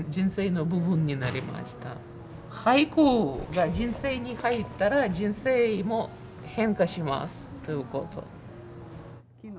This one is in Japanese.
俳句が人生に入ったら人生も変化しますということ。